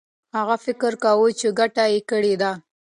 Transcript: هغه فکر کاوه چي ګټه یې کړې ده.